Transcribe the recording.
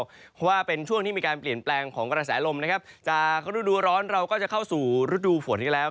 เพราะว่าเป็นช่วงที่มีการเปลี่ยนแปลงของกระแสลมนะครับจากฤดูร้อนเราก็จะเข้าสู่ฤดูฝนกันแล้ว